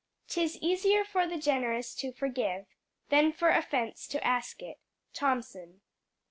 "'Tis easier for the generous to forgive Than for offence to ask it." _Thomson.